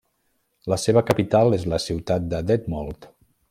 La seva capital és la ciutat de Detmold.